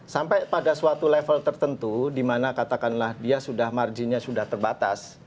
sampai pada suatu level tertentu di mana katakanlah dia sudah marginnya sudah terbatas